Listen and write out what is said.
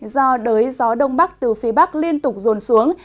do đới gió đông bắc từ phía bắc liên tục rồn xuống